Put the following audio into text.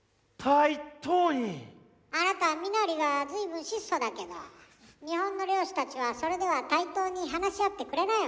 あなた身なりがずいぶん質素だけど日本の領主たちはそれでは対等に話し合ってくれないわ。